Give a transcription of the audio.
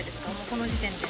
この時点で。